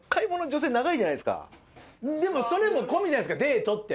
でもそれも込みじゃないですかデートって。